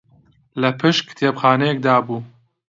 لە پشت کتێبخانەیەکدا بوو